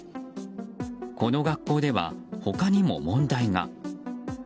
この学校では、他にも問題が。